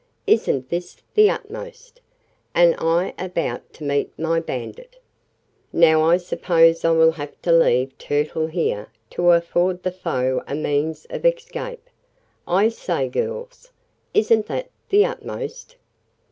"Isn't this the utmost! And I about to meet my bandit! Now I suppose I will have to leave Turtle here to afford the foe a means of escape. I say, girls, isn't that the utmost?"